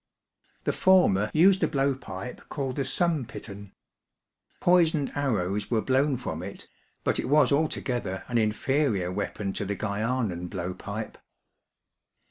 The former used a blow pipe called the sumpit an. Poisoned arrows were blown firom it; but it was altogether an inferior weapon to the Guianan blow pipe.